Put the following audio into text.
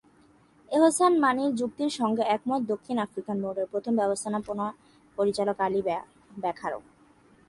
এহসান মানির যুক্তির সঙ্গে একমত দক্ষিণ আফ্রিকান বোর্ডের প্রথম ব্যবস্থাপনা পরিচালক আলী ব্যাখারও।